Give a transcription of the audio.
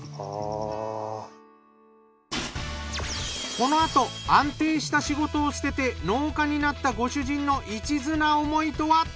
このあと安定した仕事を捨てて農家になったご主人の一途な思いとは？